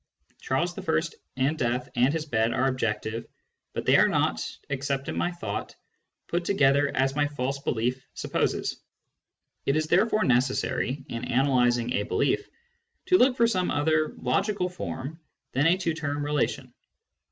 Charles I. and death and his bed are objective, but they are not, except in my thought, put together as my false belief supposes. It is therefore necessary, in ' analysing a belief, to look for some other logical form than a two term relation.